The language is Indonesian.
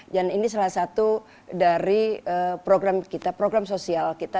dan ini salah satu dari program kita program sosial kita